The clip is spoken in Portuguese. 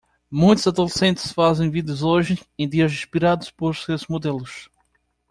Muitos adolescentes fazem vídeos hoje em dia inspirados por seus modelos.